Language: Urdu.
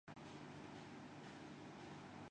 اورایک نئے دور کا آغاز ہو رہاہے۔